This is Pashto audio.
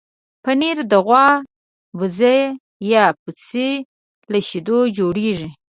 پنېر د غوا، بزه یا پسې له شیدو جوړېږي.